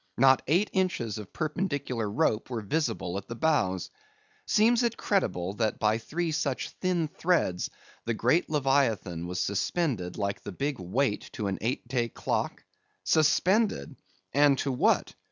Not eight inches of perpendicular rope were visible at the bows. Seems it credible that by three such thin threads the great Leviathan was suspended like the big weight to an eight day clock. Suspended? and to what?